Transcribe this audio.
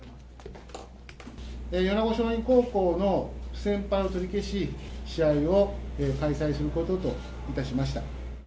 米子松蔭高校の不戦敗を取り消し、試合を開催することといたしました。